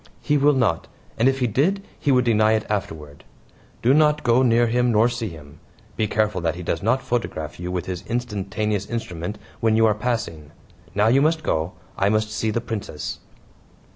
"He will not, and if he did he would deny it afterward. Do not go near him nor see him. Be careful that he does not photograph you with his instantaneous instrument when you are passing. Now you must go. I must see the Princess."